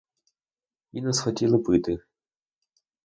І не схотіли пити.